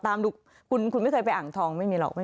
ตามดูคุณคุณไม่เคยไปอ่านทองไม่มีหรอก